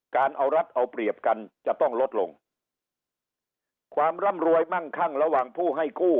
การเอารัฐเอาเปรียบกันจะต้องลดลงความร่ำรวยมั่งคั่งระหว่างผู้ให้กู้